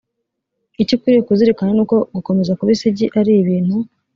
icyo ukwiriye kuzirikana ni uko gukomeza kuba isugi ari ibintu